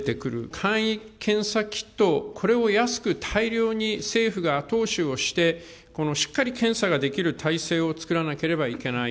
簡易検査キット、これを安く大量に政府が後押しをして、しっかり検査ができる体制を作らなければいけない。